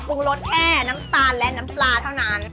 ปรุงรสแค่น้ำตาลและน้ำปลาเท่านั้น